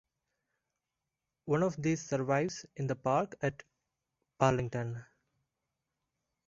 One of these survives in the park at Parlington.